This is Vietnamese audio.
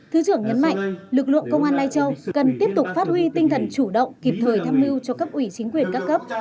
thứ trưởng nhấn mạnh lực lượng công an lai châu cần tiếp tục phát huy tinh thần chủ động kịp thời tham mưu cho cấp ủy chính quyền các cấp